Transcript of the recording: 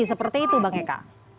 seperti itu bang eka